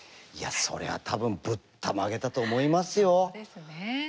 いやそれは多分ぶったまげたと思いますよ。ですね。